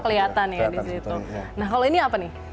nah kalau ini apa nih